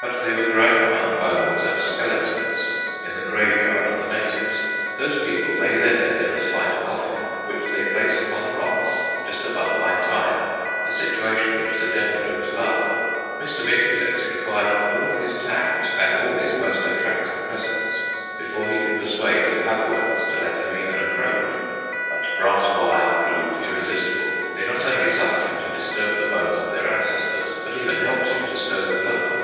But they were growing among bones and skeletons, in the graveyard of the natives. Those people lay their dead in a slight coffin, which they place upon the rocks just above high tide, a situation which the Dendrobes love. Mr. Micholitz required all his tact and all his most attractive presents before he could persuade the Papuans to let him even approach. But brass wire proved irresistible. They not only suffered him to disturb the bones of their ancestors, but even helped him to stow the plunder.